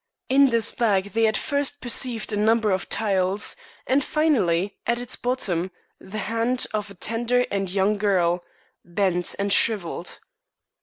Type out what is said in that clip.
In this bag they at first perceived a number of tiles, and finally at its bottom the hand of a tender and young girl, bent and shriveled.